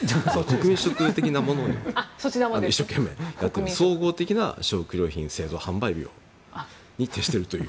飲食的なものも一生懸命やって総合的な食料品製造販売業に徹しているという。